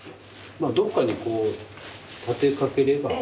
どっかにこう立てかければ。